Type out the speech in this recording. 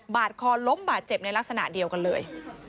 ดคอล้มบาดเจ็บในลักษณะเดียวกันเลย